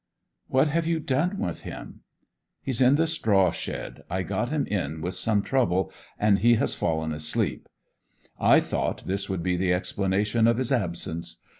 'What have you done with him?' 'He's in the straw shed. I got him in with some trouble, and he has fallen asleep. I thought this would be the explanation of his absence!